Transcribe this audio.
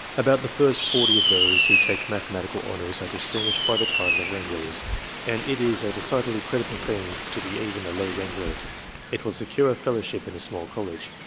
O J About the first forty of those who take mathematical honours are distinguished by the title of wranglers, and it is a decidedly creditable thing to be even a low wrangler ; it will secure a fellowship in a small college.